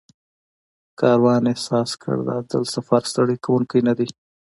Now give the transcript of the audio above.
کاروان احساس کړ دا ځل سفر ستړی کوونکی نه دی.